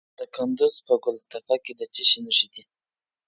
د کندز په ګل تپه کې د څه شي نښې دي؟